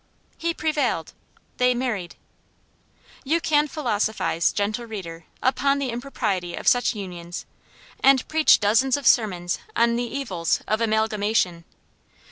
He prevailed; they married. You can philosophize, gentle reader, upon the impropriety of such unions, and preach dozens of sermons on the evils of amalgamation.